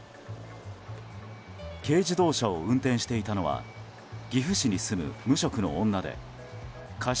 軽自動車を運転していたのは岐阜市に住む無職の女で過失